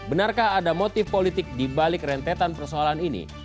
benarkah ada motif politik dibalik rentetan persoalan ini